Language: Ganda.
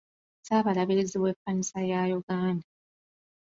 Ssaabalabirizi w’ekkanisa ya Uganda